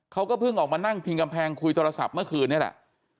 เขาก็เพิ่งออกมานั่งพิงกำแพงคุยโทรศัพท์เมื่อคืนนี้แหละ